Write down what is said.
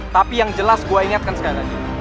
tapi yang jelas gua ingatkan sekarang